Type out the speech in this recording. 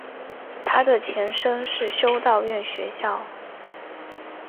它的前身是修道院学校。